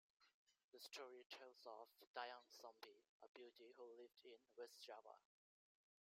The story tells of "Dayang Sumbi", a beauty who lived in West Java.